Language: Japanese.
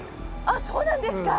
あっそうなんですか。